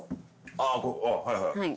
あぁはいはい。